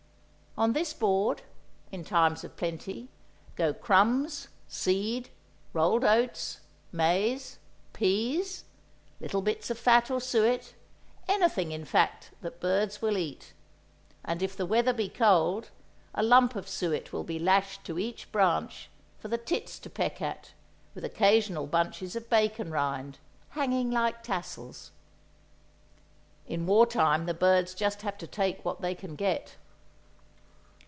On this board—in times of plenty—go crumbs, seed, rolled oats, maize, peas, little bits of fat or suet, anything in fact that birds will eat; and if the weather be cold, a lump of suet will be lashed to each branch, for the tits to peck at, with occasional bunches of bacon rind, hanging like tassels. In war time the birds just have to take what they can get.